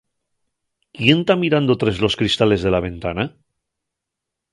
¿Quién ta mirando tres los cristales de la ventana?